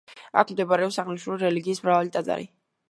აქ მდებარეობს აღნიშნული რელიგიის მრავალი ტაძარი.